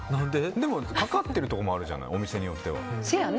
でもかかってるところもあるじゃないお店によっては。